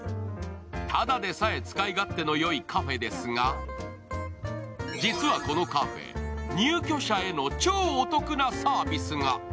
ただでさえ使い勝手のよいカフェですが実はこのカフェ、入居者への超お得なサービスが。